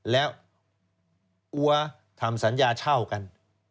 แล้วอัวทำสัญญาเช่ากัน